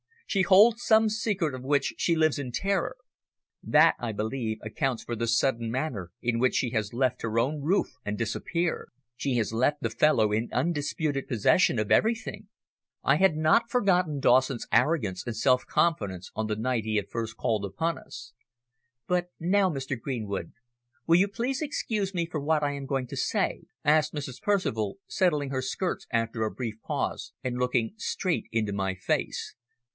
"She holds some secret of which she lives in terror. That, I believe, accounts for the sudden manner in which she has left her own roof and disappeared. She has left the fellow in undisputed possession of everything." I had not forgotten Dawson's arrogance and self confidence on the night he had first called upon us. "But now, Mr. Greenwood, will you please excuse me for what I am going to say?" asked Mrs. Percival, settling her skirts after a brief pause and looking straight into my face.